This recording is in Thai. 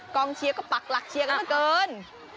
เชียร์ก็ปักหลักเชียร์กันมาเกิน